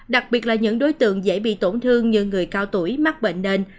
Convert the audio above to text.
đặc biệt là những đối tượng dễ bị tổn thương như người cao tuổi mắc bệnh nền